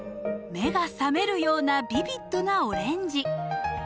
目が覚めるようなビビッドなオレンジ。